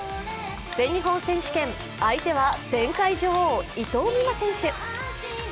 全日本選手権、相手は前回女王・伊藤美誠選手。